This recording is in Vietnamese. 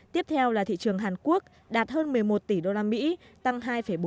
tiếp theo là thị trường hàn quốc đạt hơn một mươi một tỷ usd tăng hai bốn